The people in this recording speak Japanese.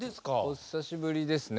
お久しぶりですね。